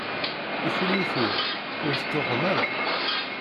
I kenwi tura, ur tettruḥum ara?